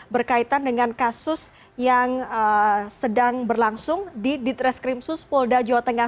berkaitan dengan kasus yang sedang berlangsung di ditreskrimsus polda jawa tengah